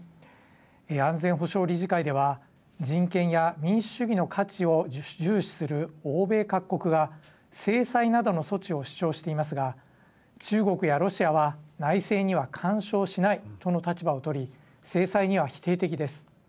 安全保障理事会では人権や民主主義の価値を重視する欧米各国が制裁などの措置を主張していますが中国やロシアは内政には干渉しないとの立場をとり制裁には否定的です。